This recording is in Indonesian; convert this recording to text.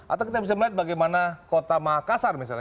atau kita bisa melihat bagaimana kota makassar misalnya